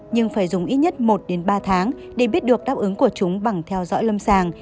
nhưng phải dùng ít nhất một đến ba tháng để biết được đáp ứng của chúng bằng theo dõi lâm sàng